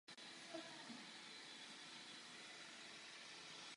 O reformní smlouvě platí totéž co o Evropské ústavě.